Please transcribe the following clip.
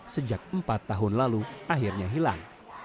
sejak empat tahun lalu akhirnya hilang